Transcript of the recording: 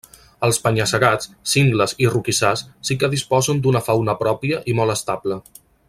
Els penya-segats, cingles i roquissars sí que disposen d'una fauna pròpia i molt estable.